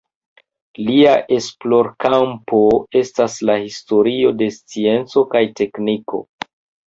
Lia esplorkampo estas la historio de scienco kaj tekniko.